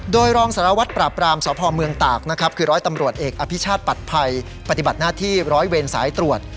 โดยรองสารวัตรปราบรามสพเมืองตากนะครับคือร้อยตำรวจเอกอภิชาติปัดภัยปฏิบัติหน้าที่ร้อยเวรสายตรวจ